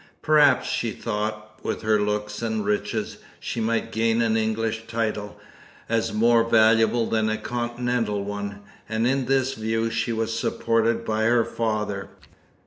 Perhaps she thought, with her looks and riches, she might gain an English title, as more valuable than a Continental one; and in this view she was supported by her father.